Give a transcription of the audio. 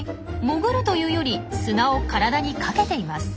潜るというより砂を体にかけています。